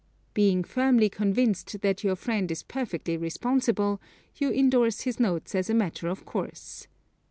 Being firmly convinced that your friend is perfectly responsible, you endorse his notes as a matter of course.